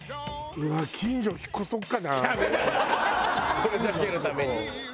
これだけのために。